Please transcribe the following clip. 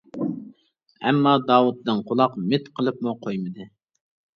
ئەمما، داۋۇت دىڭ قۇلاق مىت قىلىپمۇ قويمىدى.